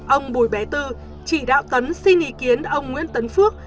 ông bùi bé tư chỉ đạo tấn xin ý kiến ông nguyễn tấn phước